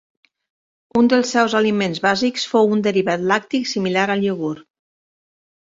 Un dels seus aliments bàsics fou un derivat lacti similar al iogurt.